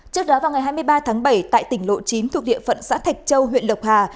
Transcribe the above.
trước đó vào ngày hai mươi ba tháng bảy tại tỉnh lộ chín thuộc địa phận xã thạch châu huyện lộc hà